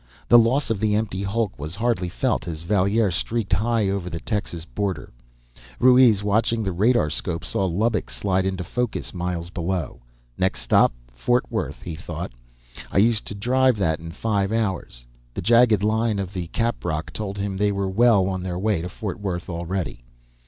The loss of the empty hulk was hardly felt as Valier streaked high over the Texas border. Ruiz, watching the radarscope, saw Lubbock slide into focus miles below. Next stop, Fort Worth, he thought. I used to drive that in five hours. The jagged line of the caprock told him they were well on their way to Fort Worth already.